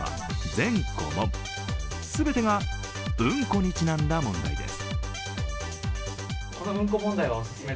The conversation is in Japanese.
全てが、うんこにちなんだ問題です。